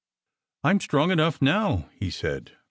"I m strong enough now," he said.